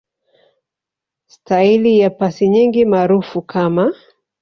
Staili ya pasi nyingi maarufu kama